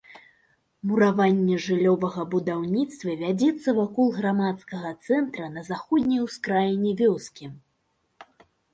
Мураванае жыллёвае будаўніцтва вядзецца вакол грамадскага цэнтра на заходняй ускраіне вёскі.